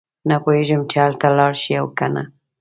نه پوهېږي چې هلته لاړ شي او کنه.